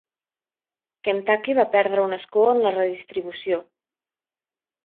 Kentucky va perdre un escó en la redistribució.